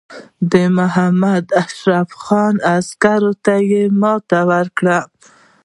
د محمدشریف خان عسکرو ته یې ماته ورکړه.